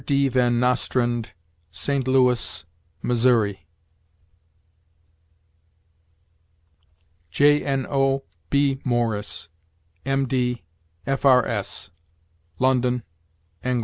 D. Van Nostrand, St. Louis, Mo.; Jno. B. Morris, M. D., F. R. S., London, Eng.